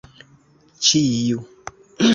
ĉiu